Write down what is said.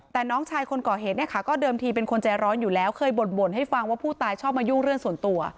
แต่น้องชายคนก่อเหตุเนี่ยค่ะก็เดิมทีเป็นคนใจร้อนอยู่แล้วเคยบ่นให้ฟังว่าผู้ตายชอบมายุ่งเรื่องส่วนตัว